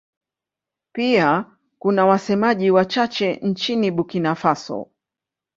Pia kuna wasemaji wachache nchini Burkina Faso.